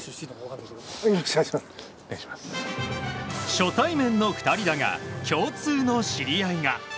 初対面の２人だが共通の知り合いが。